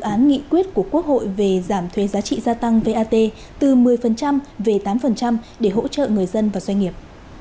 nghị xây dựng dự án nghị quyết của quốc hội về giảm thuê giá trị gia tăng vat từ một mươi về tám để hỗ trợ người dân và doanh nghiệp